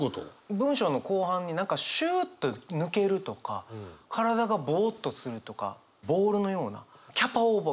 文章の後半に何か「シューッと抜ける」とか「身体がぼうっとする」とかボールのようなキャパオーバー